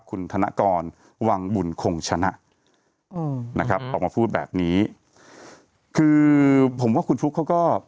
คุณธนกรวังบุญคงชนะอืมนะครับออกมาพูดแบบนี้คือผมว่าคุณฟลุ๊กเขาก็